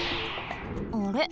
あれ？